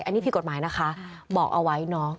อันนี้ผิดกฎหมายนะคะบอกเอาไว้น้อง